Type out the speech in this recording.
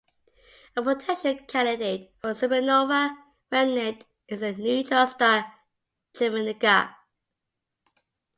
A potential candidate for the supernova remnant is the neutron star Geminga.